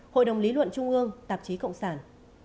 hội đồng lý luận trung ương tạp chí cộng sản